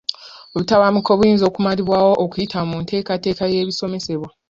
Obutabanguko buyinza kumalibwawo okuyita mu nteekateeka y'ebisomesebwa.